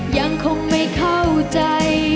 ยังคงไม่เข้าใจ